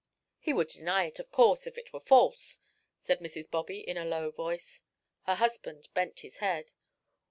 "He would deny it, of course, if it were false," said Mrs. Bobby, in a low voice. Her husband bent his head.